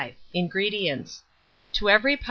INGREDIENTS. To every lb.